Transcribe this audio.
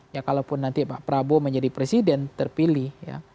ya kalaupun nanti pak prabowo menjadi presiden terpilih ya